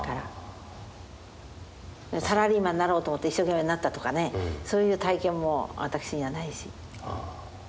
サラリーマンなろうと思って一生懸命なったとかねそういう体験も私にはないし。